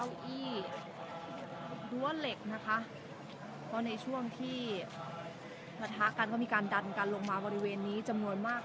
มีผู้ที่ได้รับบาดเจ็บและถูกนำตัวส่งโรงพยาบาลเป็นผู้หญิงวัยกลางคน